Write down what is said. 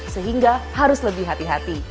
sehingga harus lebih hati hati